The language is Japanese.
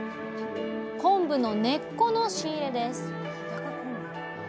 昆布の根っこの仕入れです。